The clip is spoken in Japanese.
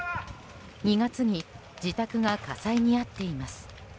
２月に自宅が火災に遭っています。